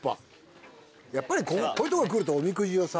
やっぱりこういうとこ来るとおみくじをさ。